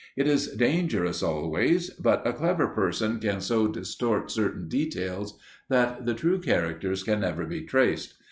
It is dangerous always, but a clever person can so distort certain details that the true characters can never be traced.